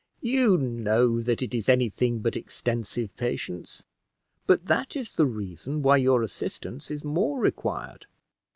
"You know that it is any thing but extensive, Patience; but that is the reason why your assistance is more required.